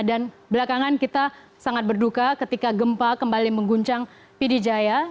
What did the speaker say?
dan belakangan kita sangat berduka ketika gempa kembali mengguncang pdijaya